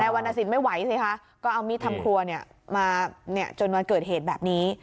วรรณสินไม่ไหวสิคะก็เอามีดทำครัวมาจนวันเกิดเหตุแบบนี้